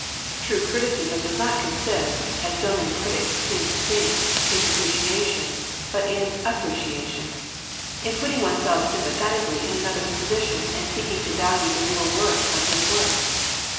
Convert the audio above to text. True criticism does not consist, as so many critics seem to think, in depreciation, but in apprecia tion; in putting oneself sympathetically in another's position, and seeking to value the real worth of his work.